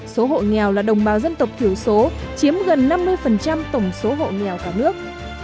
số hộ nghèo là đồng bào dân tộc thiểu số chiếm gần năm mươi tổng số hộ nghèo cả nước